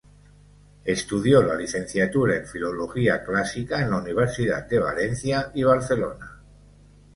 Estudió la licenciatura en Filología Clásica en la Universidad de Valencia y Barcelona.